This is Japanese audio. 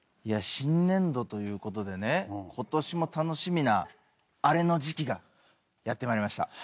いや新年度という事でね今年も楽しみなあれの時期がやって参りました。